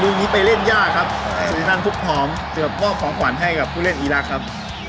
ดูนี้ไปเล่นยากครับภูมินั่นพุกผอมเดี๋ยวก็ขอขวัญให้กับผู้เล่นอีรักครับ